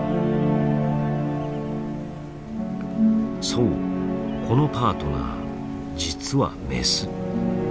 そうこのパートナー実はメス。